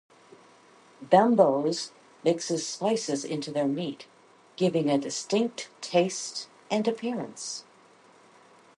Bembos mixes spices into their meat, giving a distinct taste and appearance.